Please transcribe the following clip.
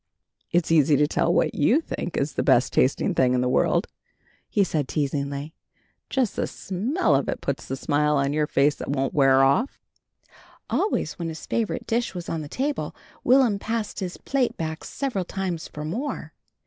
"It's easy to tell what you think is the best tasting thing in the world," he said teasingly. "Just the smell of it puts the smile on your face that won't wear off." Always when his favorite dish was on the table, Will'm passed his plate back several times for more.